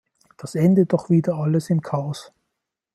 Das endet doch wieder alles im Chaos.